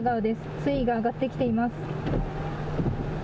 水位が上がってきています。